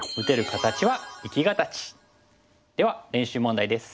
では練習問題です。